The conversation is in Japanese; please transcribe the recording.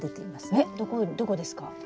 えっどこですか？